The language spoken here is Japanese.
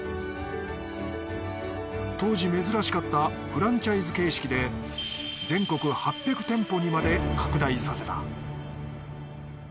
当時珍しかったフランチャイズ形式で全国８００店舗にまで拡大させた。